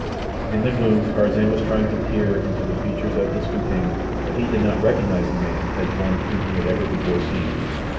In the gloom Tarzan was trying to peer into the features of his companion, but he did not recognize the man as one whom he had ever before seen.